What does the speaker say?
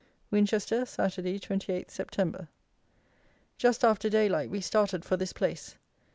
Winchester, Saturday, 28th September. Just after daylight we started for this place.